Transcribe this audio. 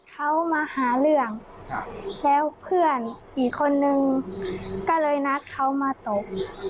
เขามาหาเรื่องแล้วเพื่อนอีกคนนึงก็เลยนัดเขามาตบ